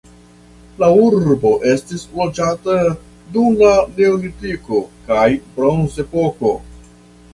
La urbo estis loĝata dum la neolitiko kaj bronzepoko.